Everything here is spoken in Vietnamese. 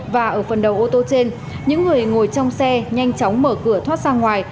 và ở phần đầu ô tô trên những người ngồi trong xe nhanh chóng mở cửa thoát ra ngoài